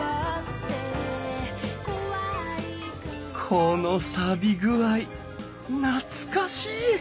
このさび具合懐かしい！